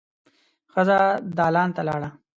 ښځه دالان ته لاړه.